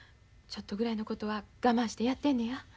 ちょっとぐらいのことは我慢してやってんのや。